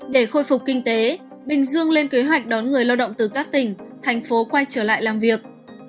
để khôi phục kinh tế bình dương lên kế hoạch đón người lao động từ các tỉnh thành phố quay trở lại làm việc